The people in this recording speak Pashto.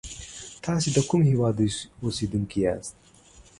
تاسی دکوم هیواد اوسیدونکی یاست